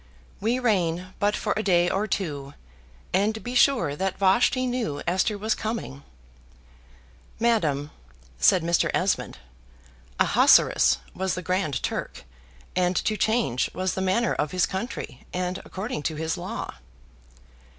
We reign but for a day or two: and be sure that Vashti knew Esther was coming." "Madam," said Mr. Esmond, "Ahasuerus was the Grand Turk, and to change was the manner of his country, and according to his law."